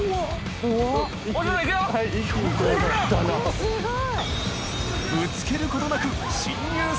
すごい。